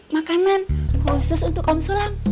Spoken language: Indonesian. makanan khusus untuk kaum sulam